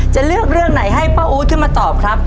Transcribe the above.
จะเลือกเรื่องไหนให้ป้าอู๊ดขึ้นมาตอบครับ